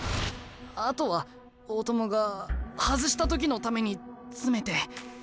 あとは大友が外した時のために詰めて。